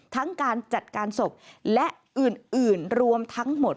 การจัดการศพและอื่นรวมทั้งหมด